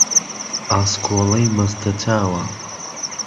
ئاسکۆڵهی مهسته چاوه